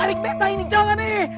eh tarik betta ini jangan eh